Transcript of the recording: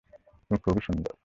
তুমি খুবই সুন্দর।